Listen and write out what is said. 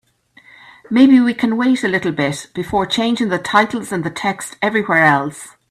Maybe we can wait a little bit before changing the titles and the text everywhere else?